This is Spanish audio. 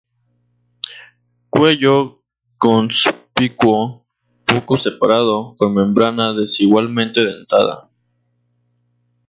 Cuello conspicuo, poco separado, con membrana desigualmente dentada.